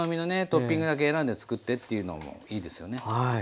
トッピングだけ選んで作ってっていうのもいいですよね。